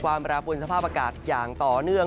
แปรปวนสภาพอากาศอย่างต่อเนื่อง